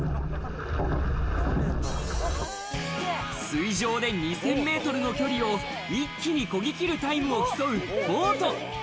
水場で２０００ｍの距離を一気にこぎ切るタイムを競うボート。